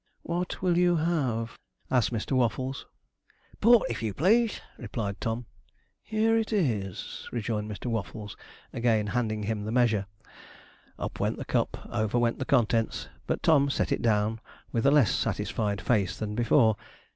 'What will you have?' asked Mr. Waffles. 'Port, if you please,' replied Tom. 'Here it is,' rejoined Mr. Waffles, again handing him the measure. Up went the cup, over went the contents; but Tom set it down with a less satisfied face than before.